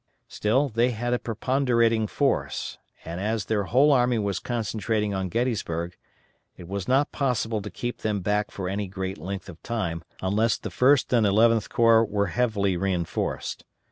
Still they had a preponderating force, and as their whole army was concentrating on Gettysburg, it was not possible to keep them back for any great length of time unless the First and Eleventh Corps were heavily reinforced.